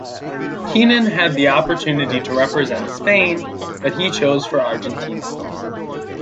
Keenan had the opportunity to represent Spain but he chose for Argentina.